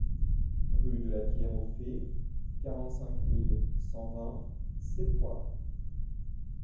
Rue de la Pierre Aux Fées, quarante-cinq mille cent vingt Cepoy